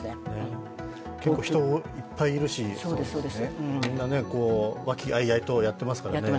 結構、人、いっぱいいるしみんな和気あいあいとやっていますからね。